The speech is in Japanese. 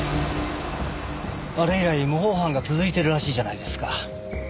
あれ以来模倣犯が続いてるらしいじゃないですか。